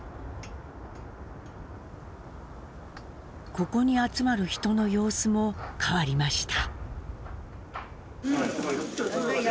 ここに集まる人の様子も変わりました。